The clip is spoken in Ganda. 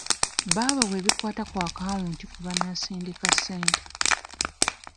Baabawa ebikwata ku akawuti kwe banaasindika ssente.